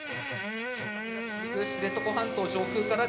捜索が続く知床半島上空から。